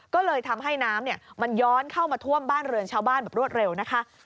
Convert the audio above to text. ก็เลยทำให้น้ำมันย้อนเข้ามาท่วมบ้านเรือนชาวบ้านแบบรวดเร็วนะคะ